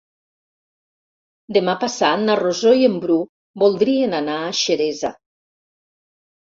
Demà passat na Rosó i en Bru voldrien anar a Xeresa.